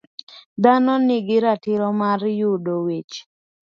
Dhano nigi ratiro mar yudo weche.